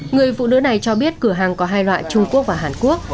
người phụ nữ này cho biết cửa hàng có hai loại trung quốc và hàn quốc